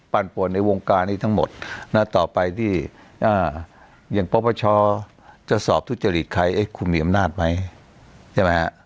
ปั่นปวนในวงการนี้ทั้งหมดต่อไปที่อย่างป้องประชาจะสอบทุจริตใครคุณมีอำนาจไหม